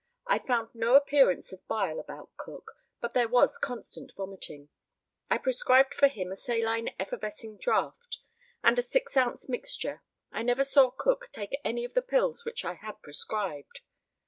I found no appearance of bile about Cook, but there was constant vomiting. I prescribed for him a saline effervescing draught, and a six ounce mixture. I never saw Cook take any of the pills which I had prescribed.